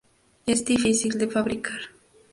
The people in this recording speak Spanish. Es difícil de fabricar.